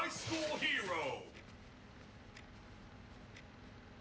ヒーロー！」